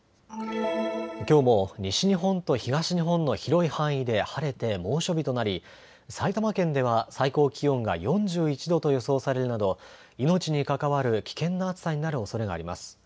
きょうも西日本と東日本の広い範囲で晴れて猛暑日となり、埼玉県では最高気温が４１度と予想されるなど命に関わる危険な暑さになるおそれがあります。